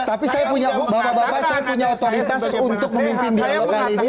tapi saya punya bapak bapak saya punya otoritas untuk memimpin dialog kali ini